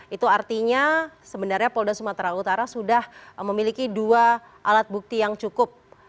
itu artinya sebenarnya polda sumatera utara sudah memiliki dua alat bukti yang cukup